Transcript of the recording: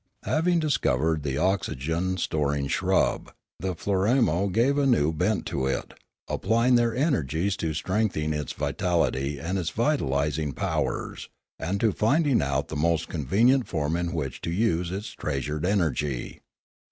Having discovered the oxygen storing shrub, the Floramo gave a new bent to it, applying their energies to strengthening its vitality and its vitalising powers, and to finding out the most convenient form in which to use its treasured energy.